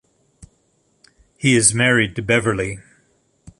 He is married to Beverly.